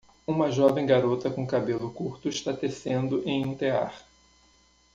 Uma jovem garota com cabelo curto está tecendo em um tear.